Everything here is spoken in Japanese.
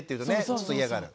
ちょっと嫌がる。